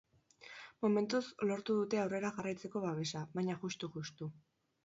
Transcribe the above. Momentuz lortu dute aurrera jarraitzeko babesa, baina juxtu-juxtu.